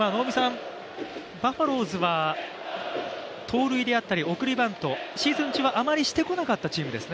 バファローズは盗塁であったり、送りバントシーズン中はあまりしてこなかった